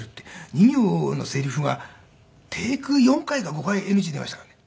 ２行のセリフがテイク４回か５回ＮＧ出ましたからね。